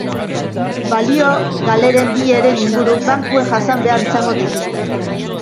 Balio-galeren bi heren inguru bankuek jasan behar izango dituzte.